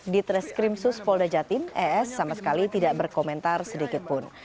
ditreskrim suspolda jatin es sama sekali tidak berkomentar sedikitpun